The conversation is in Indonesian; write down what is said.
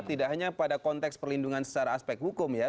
tidak hanya pada konteks perlindungan secara aspek hukum ya